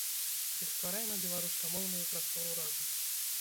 Дык стварайма беларускамоўную прастору разам!